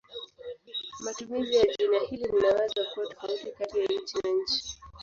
Matumizi ya jina hili linaweza kuwa tofauti kati ya nchi na nchi.